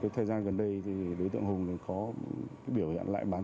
thời gian gần đây thì đối tượng hùng có biểu hiện lại bán